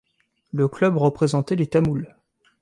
Le club représentait les Tamouls.